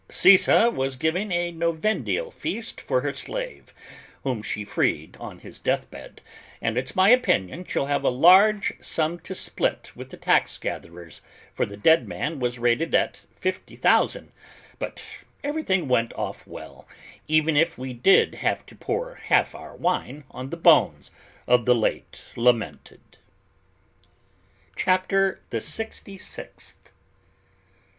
Scissa was giving a Novendial feast for her slave, whom she freed on his death bed, and it's my opinion she'll have a large sum to split with the tax gatherers, for the dead man was rated at 50,000, but everything went off well, even if we did have to pour half our wine on the bones of the late lamented." CHAPTER THE SIXTY SIXTH.